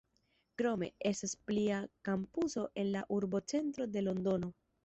Krome, estas plia kampuso en la urbocentro de Londono.